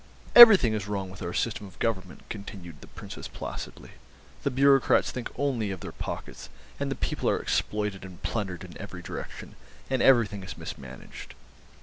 "Everything is wrong with our system of government," continued the Princess placidly. "The Bureaucrats think only of their pockets, and the people are exploited and plundered in every direction, and everything is mismanaged."